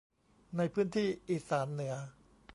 ในพื้นที่อิสานเหนือ